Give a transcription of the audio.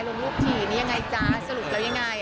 ลงรูปถี่นี่ยังไงจ๊ะสรุปแล้วยังไง